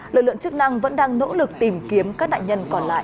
lực lượng chức năng vẫn đang nỗ lực tìm kiếm các nạn nhân còn lại